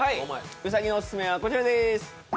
兎のオススメはこちらです